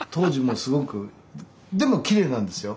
でもきれいなんですよ。